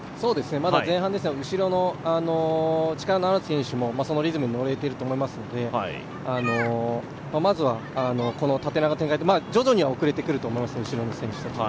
まだ前半ですので、後ろの力のある選手もそのリズムに乗れていると思いますのでまずはこの縦長の展開、徐々には遅れてくると思います、後ろの選手たちも。